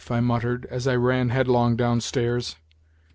I muttered as I ran headlong downstairs.